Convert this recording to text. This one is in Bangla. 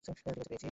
ঠিক আছে, পেয়েছি।